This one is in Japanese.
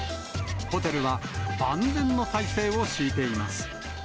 ホテルは万全の体制を敷いています。